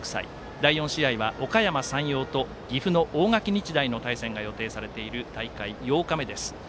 第４試合は、おかやま山陽と岐阜の大垣日大の対戦が予定されている大会８日目です。